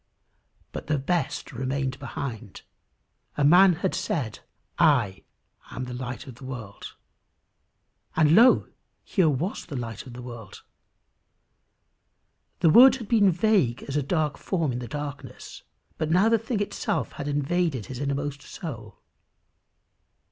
But the best remained behind. A man had said, "I am the light of the world," and lo! here was the light of the world. The words had been vague as a dark form in darkness, but now the thing itself had invaded his innermost soul.